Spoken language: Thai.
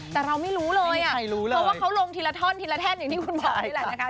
แต่เราไม่รู้เลยอ่ะไม่รู้เลยเพราะว่าเขาลงทีละท่อนทีละแท่นอย่างที่คุณบอกนี่แหละนะคะ